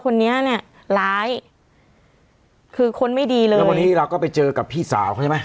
คนนี้เนี้ยร้ายคือคนไม่ดีเลยแล้ววันนี้เราก็ไปเจอกับพี่สาวเขาใช่ไหม